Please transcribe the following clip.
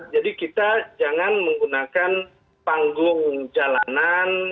jadi kita jangan menggunakan panggung jalanan